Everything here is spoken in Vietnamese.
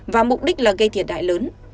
và mục đích là gây thiệt đại lớn